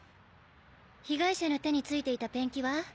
被害者の手に付いていたペンキは？